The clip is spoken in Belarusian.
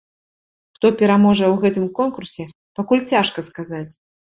Хто пераможа ў гэтым конкурсе, пакуль цяжка сказаць.